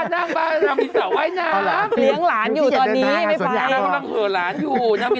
ใช่เดี๋ยวพี่เอ๊จะใส่คอม